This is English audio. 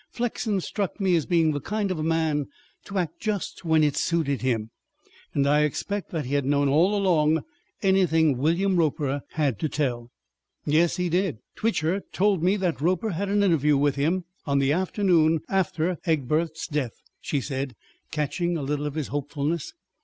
"Flexen struck me as being the kind of man to act just when it suited him, and I expect that he had known all along anything William Roper had to tell." "Yes, he did. Twitcher told me that Roper had an interview with him on the afternoon after Egbert's death," she said, catching a little of his hopefulness.